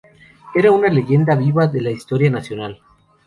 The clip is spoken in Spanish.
Era una leyenda viva de la historia nacional.